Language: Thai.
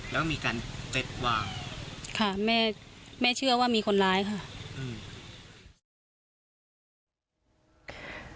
แล้วมีการไปวางค่ะแม่แม่เชื่อว่ามีคนร้ายค่ะอืม